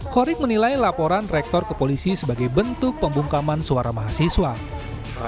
korik menilai laporan rektor ke polisi sebagai bentuk pembungkaman suara mahasiswa